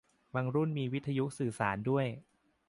บางรุ่นมีวิทยุสื่อสารด้วย